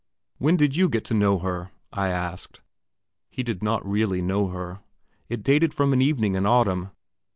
"When did you get to know her?" I asked. He did not really know her. It dated from an evening in autumn.